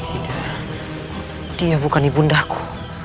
tidak dia bukan ibundaku